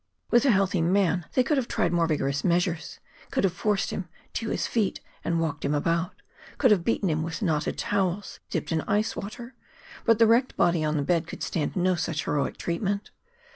With a healthy man they could have tried more vigorous measures could have forced him to his feet and walked him about, could have beaten him with knotted towels dipped in ice water. But the wrecked body on the bed could stand no such heroic treatment.